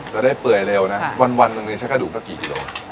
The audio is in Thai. จะได้เปื่อยเร็วนะค่ะวันวันตรงนี้ใช้กระดูกก็กี่กิโล